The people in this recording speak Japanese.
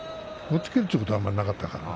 押っつけるということはあまり、なかったから。